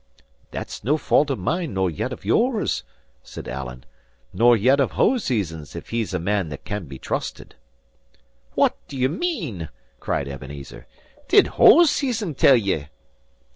"That's no fault of mine nor yet of yours," said Alan; "nor yet of Hoseason's, if he's a man that can be trusted." "What do ye mean?" cried Ebenezer. "Did Hoseason tell ye?"